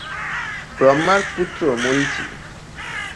ব্রহ্মার পুত্র মরীচি।